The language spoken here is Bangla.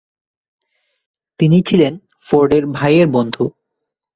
তিনি ছিলেন ফোর্ডের ভাইয়ের বন্ধু।